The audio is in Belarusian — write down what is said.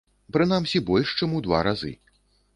Прынамсі, больш чым у два разы.